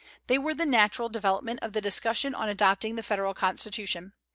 They were the natural development of the discussion on adopting the Federal Constitution.